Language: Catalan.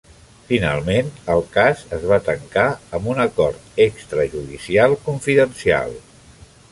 Finalment el cas es va tancar amb un acord extrajudicial confidencial.